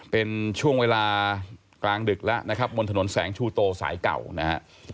เป็นช่วงเวลากลางดึกแล้วนะครับบนถนนแสงชูโตสายเก่านะฮะ